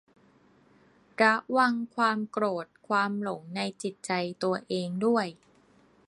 ระวังความโกรธความหลงในจิตใจตัวเองด้วย